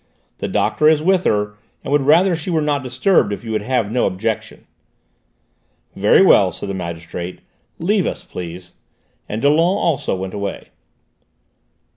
"The doctor is with her, and would rather she were not disturbed, if you have no objection." "Very well," said the magistrate. "Leave us, please," and Dollon also went away.